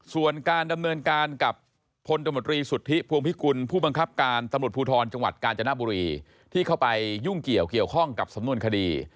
ส่วนการดำเนินการกับพลตมตรีสุทธิพวงพิกุลผู้บังคับการตำรวจภูทรจังหวัดกาญจนบุรีที่เข้าไปยุ่งเกี่ยวเกี่ยวข้องกับสำนวนคดี